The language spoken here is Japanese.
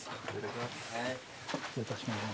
失礼いたします。